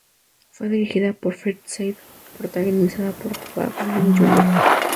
Fue dirigida por Fred Savage y protagonizada por Cuba Gooding Jr.